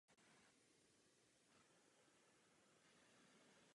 Za prvé, co se týče změny klimatu.